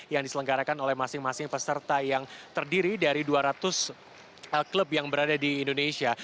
yang diselenggarakan oleh masing masing peserta yang terdiri dari dua ratus klub yang berada di indonesia